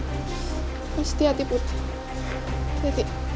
mas hati hati putri